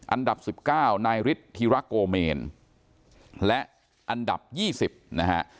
อันดับสิบเก้านายฤทธิรักโกเมนและอันดับยี่สิบนะฮะ